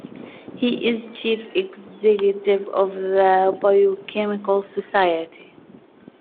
He is Chief Executive of the Biochemical Society.